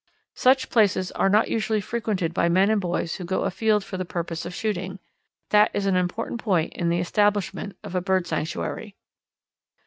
Such places are not usually frequented by men and boys who go afield for the purpose of shooting. That is an important point in the establishment of a bird sanctuary.